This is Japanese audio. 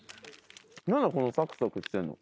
何だこのサクサクしてんの。